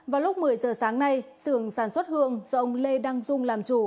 vào lúc một mươi giờ sáng nay sưởng sản xuất hương do ông lê đăng dung làm chủ